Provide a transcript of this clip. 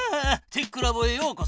テックラボへようこそ。